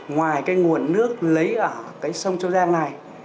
ngoài cái nguồn nước lấy ở cái sông châu giang này